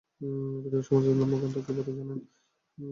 পৃথিবীর সমস্ত ধর্মগ্রন্থ কী বলে, জানেন?